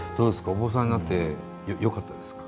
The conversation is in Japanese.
お坊さんになってよかったですか？